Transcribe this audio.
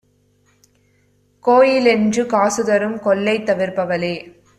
கோயிலென்று காசுதரும் கொள்கை தவிர்ப்பவளே!